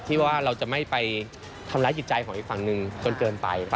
ที่ว่าเราจะไม่ไปทำร้ายจิตใจของอีกฝั่งหนึ่งจนเกินไป